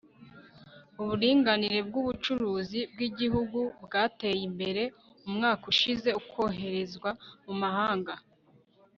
Uburinganire bwubucuruzi bwigihugu bwateye imbere umwaka ushize ukoherezwa mu mahanga